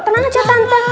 tenang aja tante